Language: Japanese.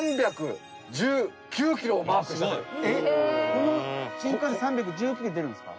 この新幹線３１９キロ出るんですか？